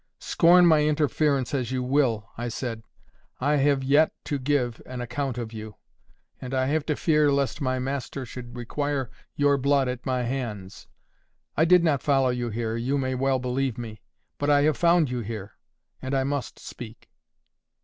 "Scorn my interference as you will," I said, "I have yet to give an account of you. And I have to fear lest my Master should require your blood at my hands. I did not follow you here, you may well believe me; but I have found you here, and I must speak."